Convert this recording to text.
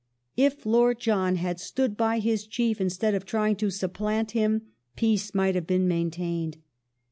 " If Lord John had stood by his Chief instead of trying to supplant him, peace might have been main tained."